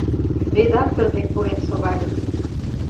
Редактор дек пурен шогальым: